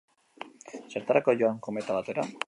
Zertarako joan kometa batera?